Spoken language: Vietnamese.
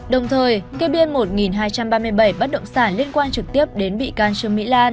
đồng thời kê biên một hai trăm ba mươi bảy bất động sản liên quan trực tiếp đến bị can trương mỹ lan